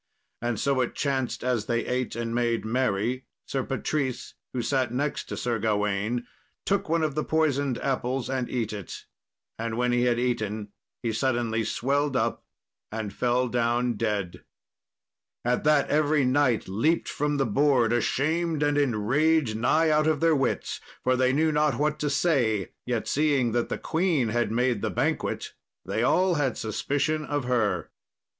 And so it chanced as they ate and made merry, Sir Patrice, who sat next to Sir Gawain, took one of the poisoned apples and eat it, and when he had eaten he suddenly swelled up and fell down dead. At that every knight leapt from the board ashamed and enraged nigh out of their wits, for they knew not what to say, yet seeing that the queen had made the banquet they all had suspicion of her.